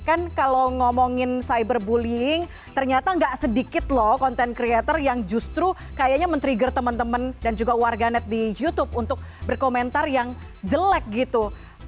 kan kalau ngomongin cyber bullying ternyata gak sedikit loh konten creator yang justru kayaknya men trigger teman teman dan juga warga net di youtube untuk berkomentar yang jelek gitu